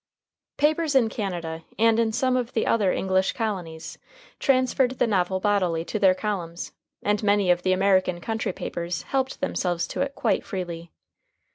Papers in Canada and in some of the other English colonies transferred the novel bodily to their columns, and many of the American country papers helped themselves to it quite freely.